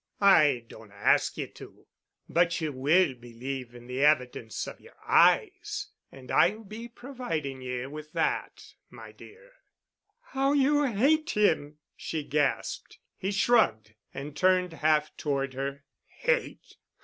"I don't ask ye to. But ye will believe in the evidence of yer eyes, and I'll be providing ye with that, my dear." "How you hate him!" she gasped. He shrugged and turned half toward her. "Hate?